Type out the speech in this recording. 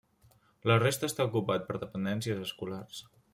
La resta està ocupat per dependències escolars.